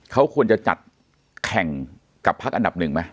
เขาควรจะจัดแข่งกับพักอันดับหนึ่งไหม